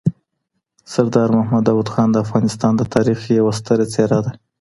سردار محمد داود خان د افغانستان د تاریخ یو ستره څېره ده.